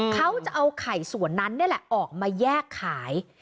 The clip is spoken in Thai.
เขาจะเอาไข่ส่วนนั้นนี่แหละออกมาแยกขาย